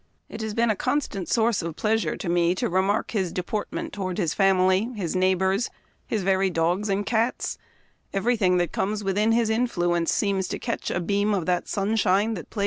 It has been a constant source of pleasure to me to remark his deport ment toward his family, his neighbors, his very dogs and cats ; every thing that comes within his influence seems to catch a beam of that sunshine that plays round his heart.